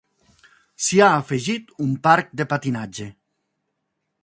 S'hi ha afegit un parc de patinatge.